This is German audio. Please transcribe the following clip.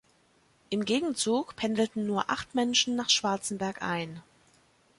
Im Gegenzug pendelten nur acht Menschen nach Schwarzenberg ein.